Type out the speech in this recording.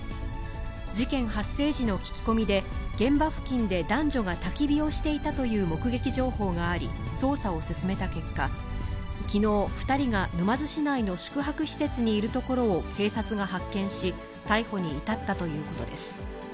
事件発生時の聞き込みで、現場付近で男女がたき火をしていたという目撃情報があり、捜査を進めた結果、きのう、２人が沼津市内の宿泊施設にいるところを警察が発見し、逮捕に至ったということです。